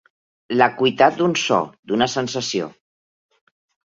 L'acuïtat d'un so, d'una sensació.